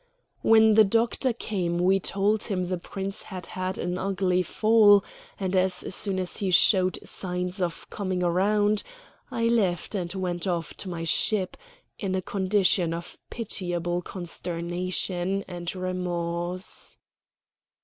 When the doctor came we told him the Prince had had an ugly fall, and, as soon as he showed signs of coming round, I left and went off to my ship, in a condition of pitiable consternation and remorse.